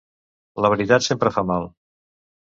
La veritat sempre fa mal.